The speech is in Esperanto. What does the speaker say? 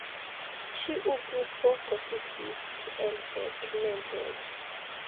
Ĉiu grupo konsistis el dek membroj.